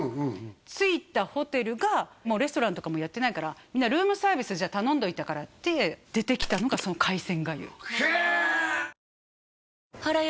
着いたホテルがもうレストランとかもやってないからルームサービスじゃあ頼んどいたからって出てきたのがその海鮮粥